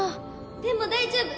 でも大丈夫！